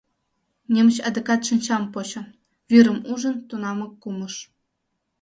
Немыч адакат шинчам почо, вӱрым ужын, тунамак кумыш.